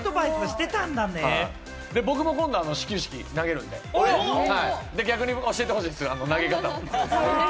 僕も今度、始球式投げるんで、逆に教えてほしいです、投げ方を。